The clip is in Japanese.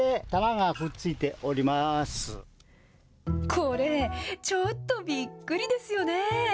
これ、ちょっとびっくりですよね。